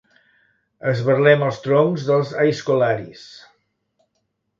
Esberlem els troncs dels aizkolaris.